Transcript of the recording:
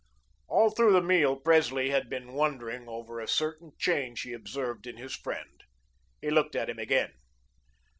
All through the meal Presley had been wondering over a certain change he observed in his friend. He looked at him again.